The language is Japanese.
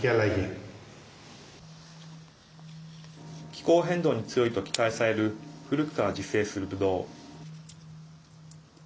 気候変動に強いと期待される古くから自生するブドウ。